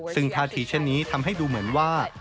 ซึ่งท่าทีเช่นนี้ทำให้ดูเหมือนว่า